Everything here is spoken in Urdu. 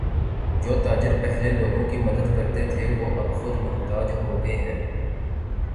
جو تاجر پہلے لوگوں کی مدد کرتے تھے وہ اب خود محتاج ہوگئے ہیں